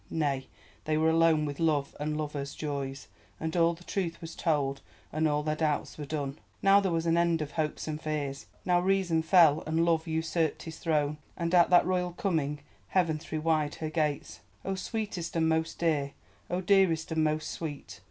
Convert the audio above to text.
Nay, they were alone with love and lovers' joys, and all the truth was told, and all their doubts were done. Now there was an end of hopes and fears; now reason fell and Love usurped his throne, and at that royal coming Heaven threw wide her gates. Oh, Sweetest and most dear! Oh, Dearest and most sweet!